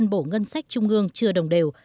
phân bổ ngân sách trung ương chưa đồng đều